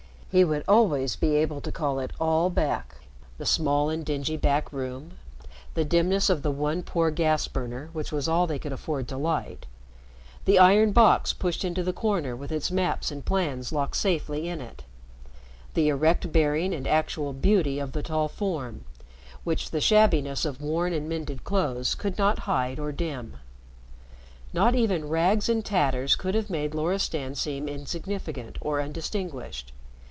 He would always be able to call it all back. The small and dingy back room, the dimness of the one poor gas burner, which was all they could afford to light, the iron box pushed into the corner with its maps and plans locked safely in it, the erect bearing and actual beauty of the tall form, which the shabbiness of worn and mended clothes could not hide or dim. Not even rags and tatters could have made Loristan seem insignificant or undistinguished.